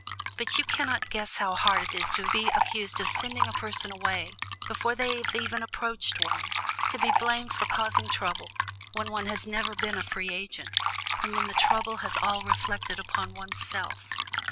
But you cannot guess how hard it is to be accused of sending a person away before they have even approached one; to be blamed for causing trouble when one has never been a free agent, and when the trouble has all reacted upon one's self."